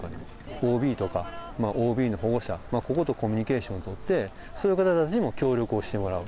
ＯＢとか、ＯＢの保護者、こことコミュニケーションを取って、そういう方たちにも協力をしてもらう。